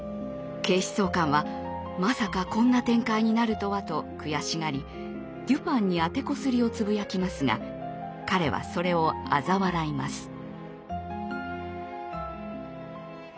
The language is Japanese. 警視総監はまさかこんな展開になるとはと悔しがりデュパンに当てこすりをつぶやきますが彼はそれをあざ笑います。